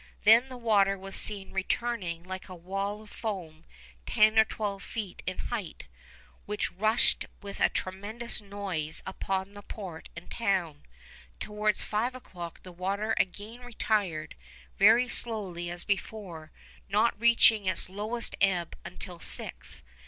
Then the water was seen returning like a wall of foam ten or twelve feet in height, which rushed with a tremendous noise upon the port and town. Towards five o'clock the water again retired, very slowly as before, not reaching its lowest ebb until six.